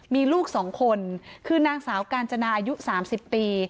มีลูก๒คนคือนางสาวกาญจนาอายุ๓๐ปี